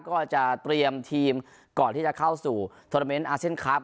ก็จะเตรียมทีมก่อนที่จะเข้าสู่โทรเมนต์อาเซียนคลับ